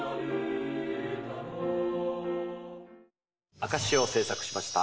「証」を制作しました。